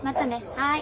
はい。